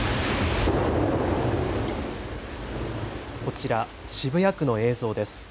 こちら、渋谷区の映像です。